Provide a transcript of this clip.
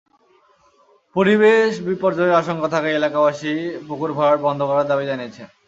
পরিবেশ বিপর্যয়ের আশঙ্কা থাকায় এলাকাবাসী পুকুর ভরাট বন্ধ করার দাবি জানিয়েছেন।